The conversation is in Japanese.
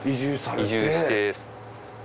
移住して。